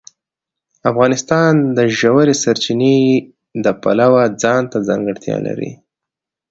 افغانستان د ژورې سرچینې د پلوه ځانته ځانګړتیا لري.